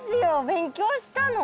勉強したの。